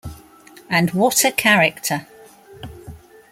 And what a character.